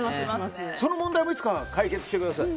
その問題もいつか解決してください。